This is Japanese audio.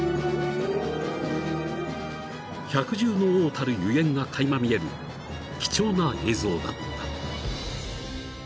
［百獣の王たるゆえんが垣間見える貴重な映像だった］